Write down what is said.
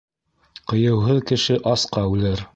Ҡыйыуһыҙ кеше асҡа үлер.